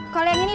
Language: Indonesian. kalau yang ini